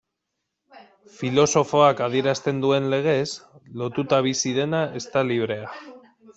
Filosofoak adierazten duen legez, lotuta bizi dena ez da librea.